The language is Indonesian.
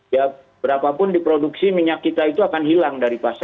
ya berapapun diproduksi minyak kita itu akan hilang dari pasar